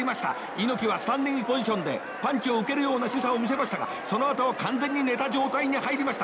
猪木はスタンディングポジションでパンチを受けるようなしぐさを見せましたがそのあとは完全に寝た状態に入りました。